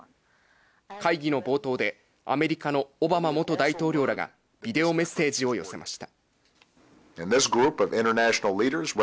会議の冒頭でアメリカのオバマ元大統領らがビデオメッセージを寄せました。